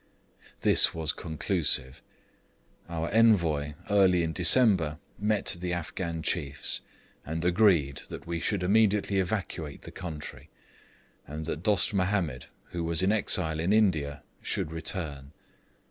This was conclusive. Our Envoy early in December met the Afghan chiefs, and agreed that we should immediately evacuate the country, and that Dost Mahomed, who was in exile in India, should return.